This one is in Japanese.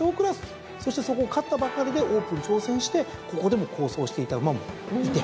そしてそこを勝ったばっかりでオープン挑戦してここでも好走していた馬もいて。